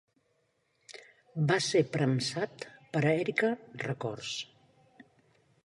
Va ser premsat per Erika Records.